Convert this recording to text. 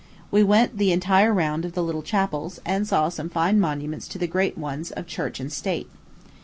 We went the entire round of the little chapels, and saw some fine monuments to the great ones of church and state.